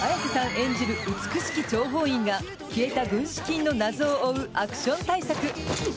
演じる美しき諜報員が消えた軍資金の謎を追うアクション大作。